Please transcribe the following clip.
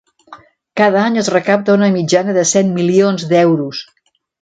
Cada any es recapta una mitjana de set milions d'euros.